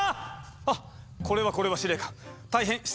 あっこれはこれは司令官大変失礼いたしました。